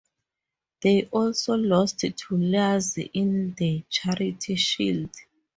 They also lost to Laxey in the Charity Shield.